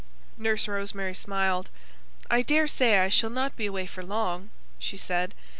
Nurse Rosemary smiled. "I daresay I shall not be away for long," she said.